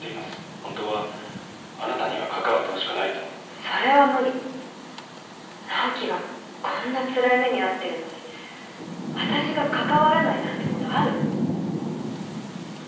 本当はあなたには関わってほしくないとそれは無理直木がこんなつらい目に遭ってるのに私が関わらないなんてことある？